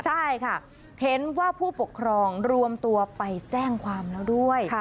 ใช่ค่ะเห็นว่าผู้ปกครองรวมตัวไปแจ้งความแล้วด้วย